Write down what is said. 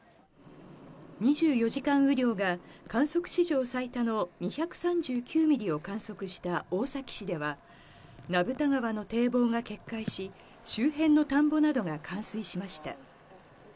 ２４時間雨量が、観測史上最多の２３９ミリを観測した大崎市では、名蓋川の堤防が決壊し、周辺の田んぼなどが冠水しました。